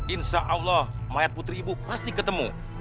insya allah mayat putri ibu pasti ketemu